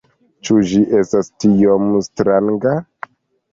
Ĉu ĝi estas tiom stranga?